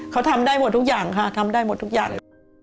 เขาทำได้หมดทุกอย่างค่ะทำได้หมดทุกอย่าง